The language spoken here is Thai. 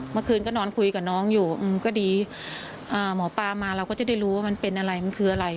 เมื่อคืนก็นอนคุยกับน้องอยู่ก็ดีหมอปลามาเราก็จะได้รู้ว่ามันเป็นอะไรมันคืออะไร